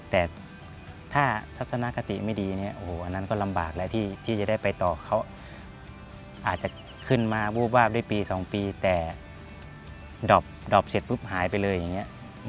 แต่ถ้าทัศนคติไม่ดีเนี่ยโอ้โหอันนั้นก็ลำบากแล้วที่จะได้ไปต่อเขาอาจจะขึ้นมาวูบวาบด้วยปี๒ปีแต่ดอบเสร็จปุ๊บหายไปเลยอย่างนี้